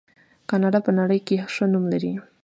کاناډا په نړۍ کې ښه نوم لري.